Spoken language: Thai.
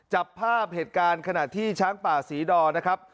จับภาพเหตุการณ์ขณะที่ช้างป่าศรีดอนะครับ